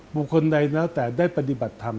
พวกคนใดนักแต่ได้ปฏิบัติธรรม